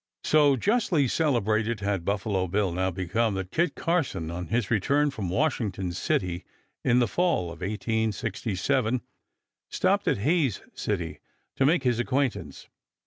So justly celebrated had Buffalo Bill now become that Kit Carson, on his return from Washington City in the fall of 1867, stopped at Hays City to make his acquaintance.